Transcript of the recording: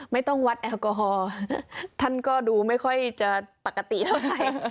ไม่ต้องวัดแอลกอฮอล์ท่านก็ดูไม่ค่อยจะปกติเท่าไหร่